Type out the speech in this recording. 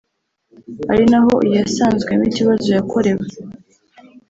ari naho iyasanzwemo ikibazo yakorewe